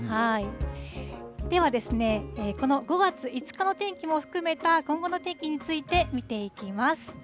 では、この５月５日の天気も含めた今後の天気について見ていきます。